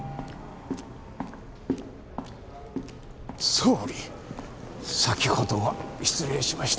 総理先ほどは失礼しました。